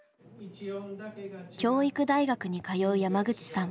教育大学に通う山口さん。